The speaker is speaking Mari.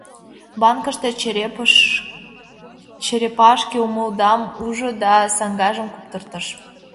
Банкыште черепашке-умдылам ужо да саҥгажым куптыртыш: